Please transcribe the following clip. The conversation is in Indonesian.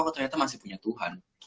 oh ternyata masih punya tuhan